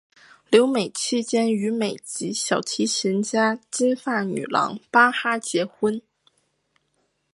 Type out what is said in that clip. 留美期间与美籍小提琴家金发女郎巴哈结婚。